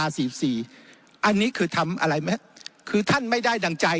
อันนี้คือทำอะไรไหมคือท่านไม่ได้ดั่งใจ